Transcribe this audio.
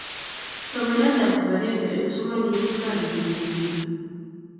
somanet ap kipakenge eng kipsomaninik kotareti kosiryo